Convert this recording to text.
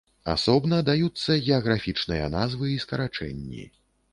Асобна даюцца геаграфічныя назвы і скарачэнні.